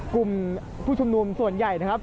กลุ่มผู้ชุมนุมส่วนใหญ่นะครับ